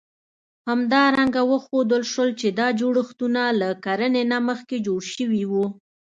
همدارنګه وښودل شول، چې دا جوړښتونه له کرنې نه مخکې جوړ شوي وو.